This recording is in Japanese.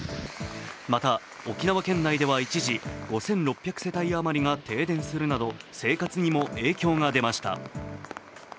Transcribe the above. また沖縄県内では一時、５６００世帯あまりが停電するなど生活にも影響が出ました。